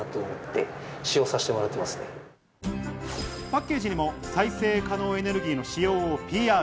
パッケージにも再生可能エネルギーの使用をＰＲ。